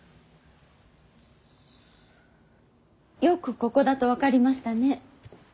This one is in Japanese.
よくここだと分かりましたね。